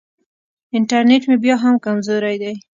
انټرنېټ مې بیا هم کمزوری دی.